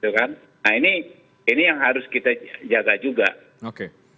nah ini yang harus kita jaga juga